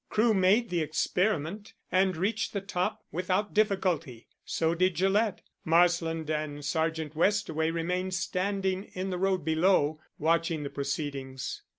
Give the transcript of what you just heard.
Crewe made the experiment, and reached the top, without difficulty; so did Gillett. Marsland and Sergeant Westaway remained standing in the road below, watching the proceedings.